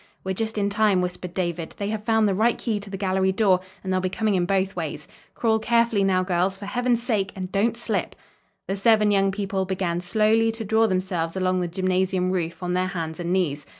"We're just in time," whispered David. "They have found the right key to the gallery door, and they'll be coming in both ways. Crawl carefully now, girls, for heaven's sake, and don't slip!" The seven young people began slowly to draw themselves along the gymnasium roof on their hands and knees.